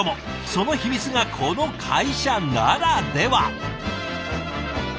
その秘密がこの会社ならでは。